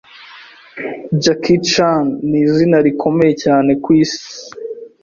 Jackie Chan ni izina rikomeye cyane ku isi